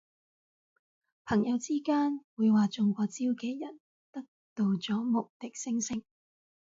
朋友之間會話中過招嘅人得到咗無敵星星